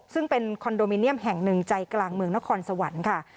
ซึ่งเป็นคอนโดมิเนียมแห่งหนึ่งใจกลางเมืองนครสวรรค์ค่ะ